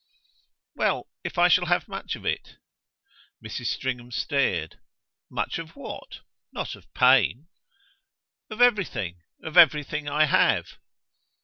"Well, if I shall have much of it." Mrs. Stringham stared. "Much of what? Not of pain?" "Of everything. Of everything I have."